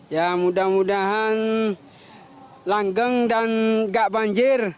ya mudah mudahan langgeng dan gak banjir